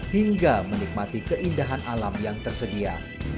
hingga menikmati keindahan alam yang tersedia